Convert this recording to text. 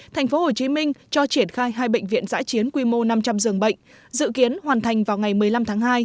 tp hcm cho triển khai hai bệnh viện giã chiến quy mô năm trăm linh giường bệnh dự kiến hoàn thành vào ngày một mươi năm tháng hai